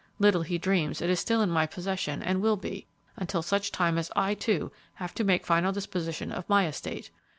Little he dreams it is still in my possession and will be, until such time as I, too, have to make final disposition of my estate!